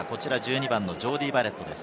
１２番のジョーディー・バレットです。